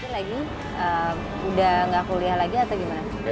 lagi udah gak kuliah lagi atau gimana